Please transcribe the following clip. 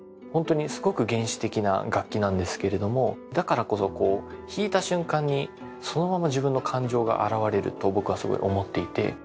ホントにすごく原始的な楽器なんですけれどもだからこそこう弾いた瞬間にそのまま自分の感情が現れると僕はすごい思っていて。